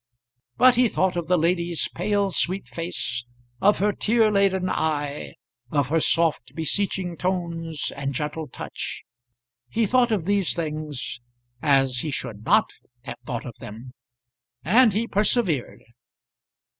But he thought of the lady's pale sweet face, of her tear laden eye, of her soft beseeching tones, and gentle touch; he thought of these things as he should not have thought of them; and he persevered.